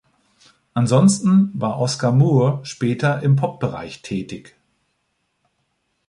Ansonsten war Oscar Moore später im Pop-Bereich tätig.